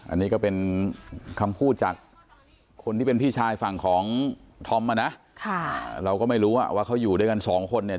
อันนี้ก็เป็นคำพูดจากคนที่เป็นพี่ชายฝั่งของธอมอ่ะนะเราก็ไม่รู้ว่าเขาอยู่ด้วยกันสองคนเนี่ย